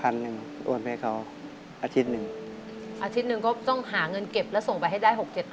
อาทิตย์นึงก็ต้องหาเงินเก็บและส่งไปให้ได้๖๗๐๐